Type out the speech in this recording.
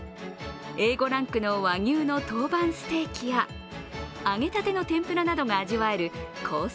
Ａ５ランクの和牛の陶板ステーキや揚げたての天ぷらなどが味わえるコース